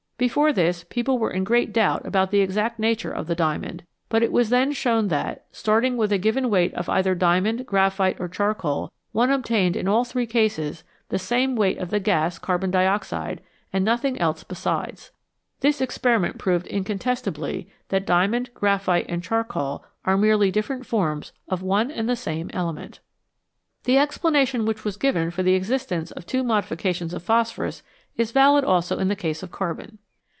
Before this, people were in great doubt about the exact nature of the diamond, but it was then shown that, starting with a given weight of either diamond, graphite, or char coal, one obtained in all three cases the same weight of the gas carbon dioxide, and nothing else besides. This experiment proved incontestably that diamond, graphite, and charcoal are merely different forms of one and the same element. The explanation which was given for the existence of two modifications of phosphorus is valid also in the case of carbon.